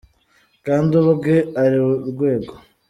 Kandi ubwe ari urwego